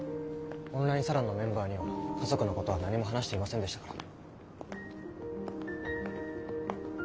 オンラインサロンのメンバーには家族のことは何も話していませんでしたから。